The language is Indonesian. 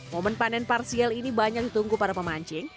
momen panen parsial ini banyak ditunggu para pemancing